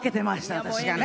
私がね。